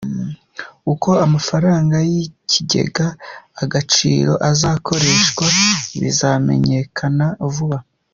Uko amafaranga yikigega agaciro azakoreshwa bizamenyekana vuba